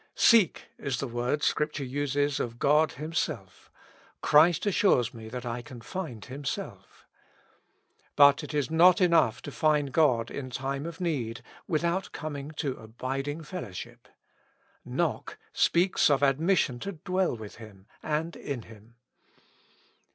Seek is the word Scrip ture uses of God Himself; Christ assures me that I can find Himself But it is not enough to find God in time of need, without coming to abiding fellow ship : Knock speaks of admission to dwell with Him and in Him.